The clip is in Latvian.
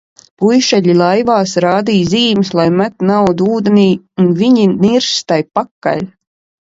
Puišeļi laivās rādīja zīmes, lai met naudu ūdenī un viņi nirs tai pakaļ.